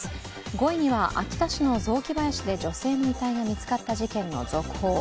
５位には秋田市の雑木林で女性の遺体が見つかった事件の続報。